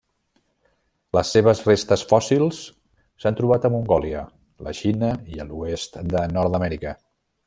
Les seves restes fòssils s'han trobat a Mongòlia, la Xina i a l'oest de Nord-amèrica.